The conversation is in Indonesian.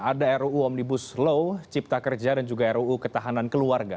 ada ruu omnibus law cipta kerja dan juga ruu ketahanan keluarga